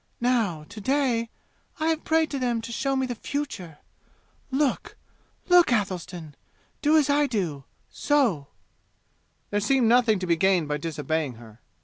Now, to day, I have prayed to them to show me the future. Look! Look, Athelstan! Do as I do so!" There seemed nothing to be gained by disobeying her.